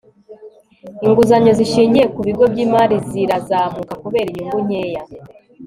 Inguzanyo zishingiye ku bigo byimari zirazamuka kubera inyungu nkeya